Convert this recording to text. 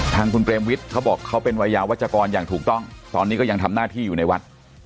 ทางคุณเปรมวิทย์เขาบอกเขาเป็นวัยยาวัชกรอย่างถูกต้องตอนนี้ก็ยังทำหน้าที่อยู่ในวัด